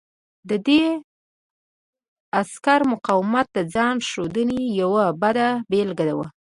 د دې عسکر مقاومت د ځان ښودنې یوه بده بېلګه وه